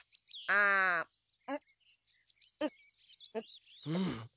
あん。